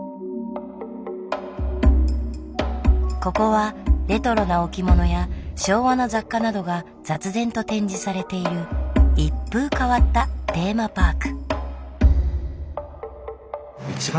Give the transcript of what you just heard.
ここはレトロな置物や昭和の雑貨などが雑然と展示されている一風変わったテーマパーク。